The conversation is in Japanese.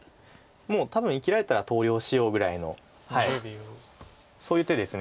もう多分生きられたら投了しようぐらいのそういう手です。